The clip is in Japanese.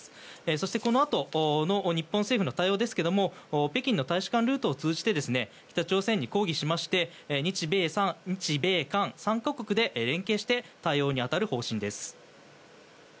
そして、このあとの日本政府の対応ですが北京の大使館ルートを通じて北朝鮮に抗議しまして日米韓３か国で連携して対応に当たる方針です。